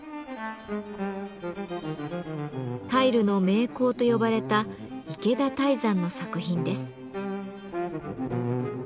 タイルの名工と呼ばれた池田泰山の作品です。